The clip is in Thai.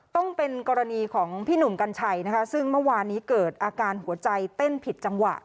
ต้องเป็นกรณีของพี่หนุ่มกัญชัยนะคะซึ่งเมื่อวานนี้เกิดอาการหัวใจเต้นผิดจังหวะ